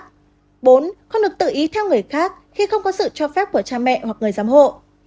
bốn không được tự ý theo người khác khi không có sự cho phép của cha mẹ hoặc người giám hộ